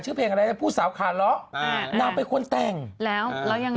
ชื่อเพลงอะไรนะผู้สาวขาเลาะอ่านางเป็นคนแต่งแล้วแล้วยังไง